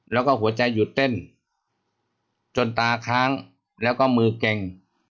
แล้วก็หัวใจหยุดเต้นจนตาค้างแล้วก็มือเก่ง